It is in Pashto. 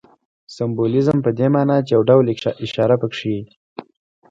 سمبولیزم په دې ماناچي یو ډول اشاره پکښې وي.